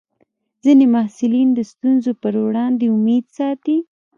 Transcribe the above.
ځینې محصلین د ستونزو پر وړاندې امید ساتي.